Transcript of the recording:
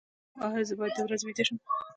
ایا زه باید د ورځې ویده شم؟